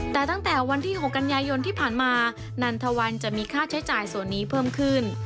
แต่ตั้งแต่วันที่๖กันยายนที่ผ่านมานันทวันจะมีค่าใช้จ่ายส่วนนี้เพิ่มขึ้น